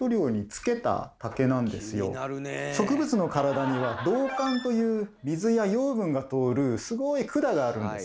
植物の体には「道管」という水や養分が通るすごい管があるんです。